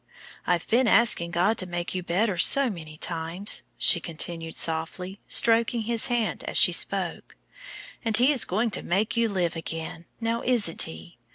"I've been asking God to make you better so many times," she continued, softly stroking his hand as she spoke, "and He is going to make you live again; now isn't He?